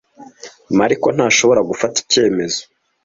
Mariko ntashobora gufata icyemezo.